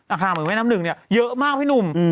เหมือนแม่น้ำหนึ่งเนี่ยเยอะมากพี่หนุ่ม